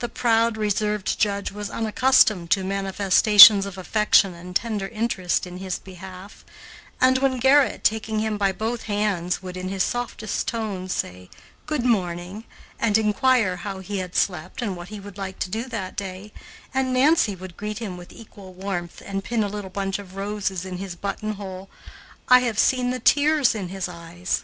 The proud, reserved judge was unaccustomed to manifestations of affection and tender interest in his behalf, and when Gerrit, taking him by both hands would, in his softest tones say, "Good morning," and inquire how he had slept and what he would like to do that day, and Nancy would greet him with equal warmth and pin a little bunch of roses in his buttonhole, I have seen the tears in his eyes.